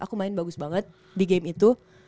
aku main bagus banget di game itu